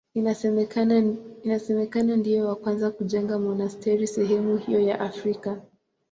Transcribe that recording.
Inasemekana ndiye wa kwanza kujenga monasteri sehemu hiyo ya Afrika.